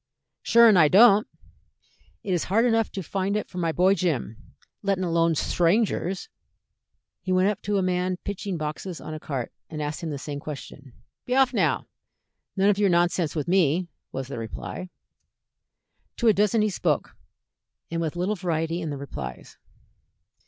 "Shure an' I don't. It is hard enough to find it for my boy Jim, lettin' alone sthrangers." He went up to a man pitching boxes on a cart, and asked him the same question. "Be off, now! none of your nonsense with me," was the reply. To a dozen he spoke, and with little variety in the replies.